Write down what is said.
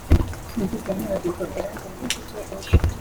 sinzigera nibagirwa uburambe nagize ejo.